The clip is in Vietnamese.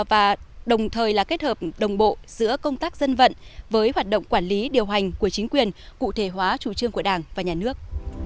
và đồng thời là kết hợp đồng bộ giữa công tác dân vận với hoạt động quản lý điều hành của chính quyền cụ thể hóa chủ trương của đảng và nhà nước